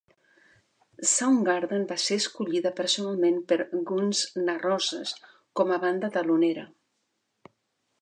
Soundgarden va ser escollida personalment per Guns N' Roses com a banda telonera.